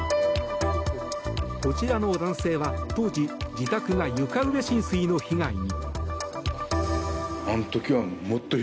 こちらの男性は当時、自宅が床上浸水の被害に。